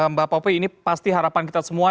mbak popri ini pasti harapan kita semua